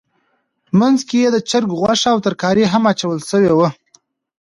منځ کې یې د چرګ غوښه او ترکاري هم اچول شوې وه.